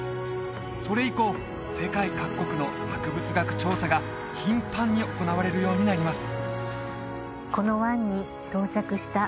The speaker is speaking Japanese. それ以降世界各国の博物学調査が頻繁に行われるようになります